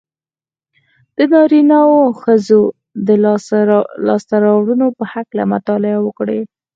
د نارينهوو او ښځو د لاسته راوړنو په هکله مطالعه وکړئ.